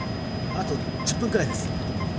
あと１０分くらいです。